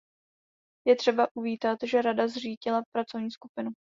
Je třeba uvítat, že Rada zřídila pracovní skupinu.